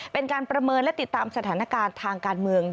เป็นการประเมินและติดตามสถานการณ์ทางการเมือง